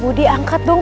bibundi angkat dong